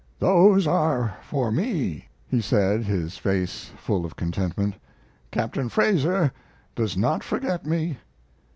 "Those are for me," he said, his face full of contentment. "Captain Fraser does not forget me."